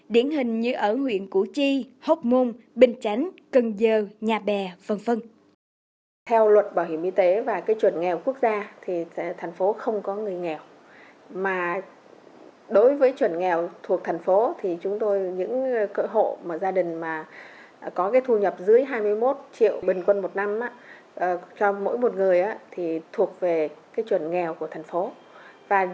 điển hình như ở huyện củ chi hốc môn bình chánh cần dơ nhà bè phân phân